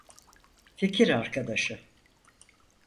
Fikir Arkadaşı.